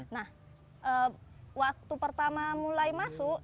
nah waktu pertama mulai masuk